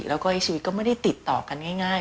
แล้วก็อีกชีวิตก็ไม่ได้ติดต่อกันง่าย